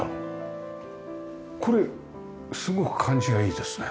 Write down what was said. これすごく感じがいいですね。